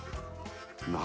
何